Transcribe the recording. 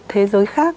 thế giới khác